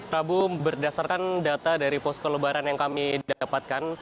prabu berdasarkan data dari posko lebaran yang kami dapatkan